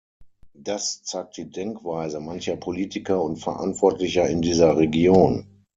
Das zeigt die Denkweise mancher Politiker und Verantwortlicher in dieser Region.